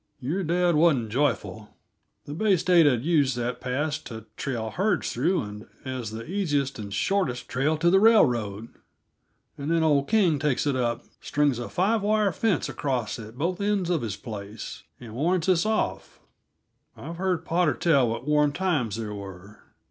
Your dad wasn't joyful. The Bay State had used that pass to trail herds through and as the easiest and shortest trail to the railroad; and then old King takes it up, strings a five wired fence across at both ends of his place, and warns us off. I've heard Potter tell what warm times there were.